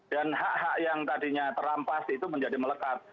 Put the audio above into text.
dan hak hak yang tadinya terampas itu menjadi melekat